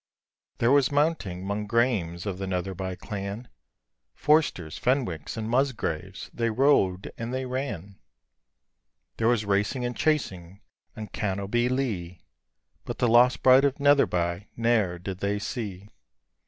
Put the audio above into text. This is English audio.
There was mounting 'mong Graemes of the Netherby clan, Forsters, Fenwicks, and Musgraves, they rode and they ran, [2471 RAINBOW GOLD There was racing and chasing, on Cannobie lea, But the lost bride of Netherby ne'er did they see.